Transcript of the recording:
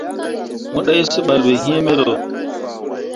Mo ɗai seɓal ɓe iŋ mero.